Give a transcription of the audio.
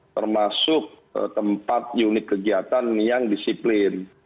termasuk tempat unit kegiatan yang disiplin